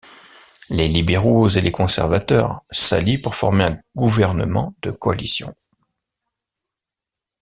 Les libéraux et les conservateurs s'allient pour former un gouvernement de coalition.